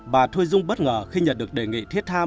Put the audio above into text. bà thuy dung bất ngờ khi nhận được đề nghị thiết tham